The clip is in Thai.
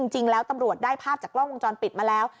ตำรวจได้ภาพจากกล้องวงจรปิดมาแล้ว